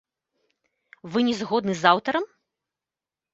Вы не згодны з аўтарам?